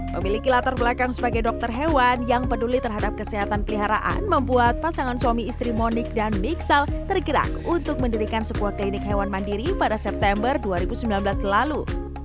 memiliki latar belakang sebagai dokter hewan yang peduli terhadap kesehatan peliharaan membuat pasangan suami istri monik dan mixel tergerak untuk mendirikan sebuah klinik hewan mandiri pada september dua ribu sembilan belas lalu